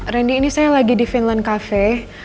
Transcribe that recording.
randy ini saya lagi di finland cafe